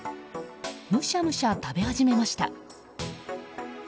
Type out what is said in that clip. むしゃむしゃ食べ始めました。